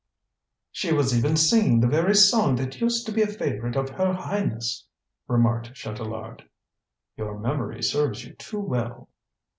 "She was even singing the very song that used to be a favorite of her Highness!" remarked Chatelard. "Your memory serves you too well."